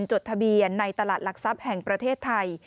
จดทะเบียนในตลาดหลักทรัพย์แห่งประเทศไทย